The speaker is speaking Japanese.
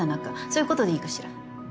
そういうことでいいかしら？